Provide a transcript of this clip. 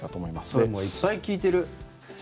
それもういっぱい聞いてる。